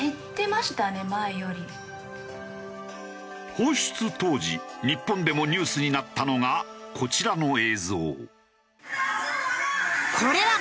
放出当時日本でもニュースになったのがこちらの映像。